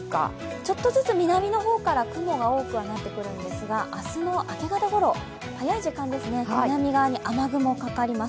ちょっとずつ南の方から雲が多くはなってくるんですが、明日の明け方ごろ、早い時間南側に雨雲がかかります。